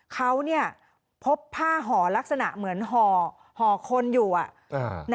เขาพบผ้าห่อลักษณะเหมือนห่อคนอยู่